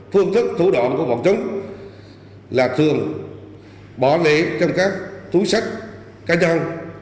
phương thức thủ đoạn của bọn chúng là thường bỏ lấy trong các túi sách cá nhân